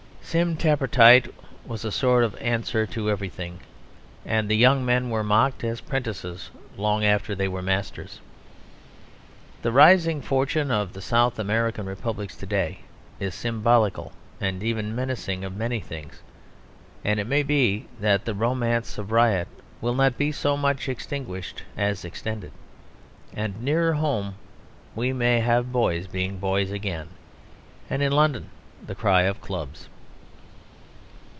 Sim Tappertit was a sort of answer to everything; and the young men were mocked as 'prentices long after they were masters. The rising fortune of the South American republics to day is symbolical and even menacing of many things; and it may be that the romance of riot will not be so much extinguished as extended; and nearer home we may have boys being boys again, and in London the cry of "clubs."